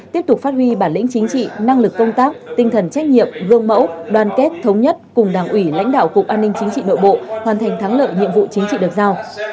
tiếp tục phát huy bản lĩnh chính trị năng lực công tác tinh thần trách nhiệm gương mẫu đoàn kết thống nhất cùng đảng ủy lãnh đạo cục an ninh chính trị nội bộ hoàn thành thắng lợi nhiệm vụ chính trị được giao